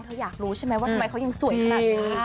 อยากรู้ใช่ไหมว่าทำไมเขายังสวยขนาดนี้